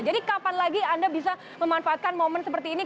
jadi kapan lagi anda bisa memanfaatkan momen seperti ini